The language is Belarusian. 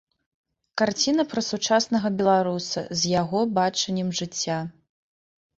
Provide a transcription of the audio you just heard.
Карціна пра сучаснага беларуса, з яго бачаннем жыцця.